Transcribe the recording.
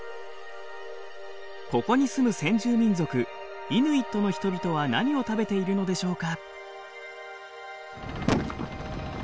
ここに住む先住民族イヌイットの人々は何を食べているのでしょうか？